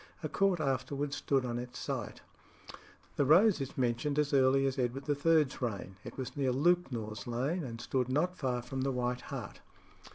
A court afterwards stood on its site. The Rose is mentioned as early as Edward III.'s reign. It was near Lewknor's Lane, and stood not far from the White Hart.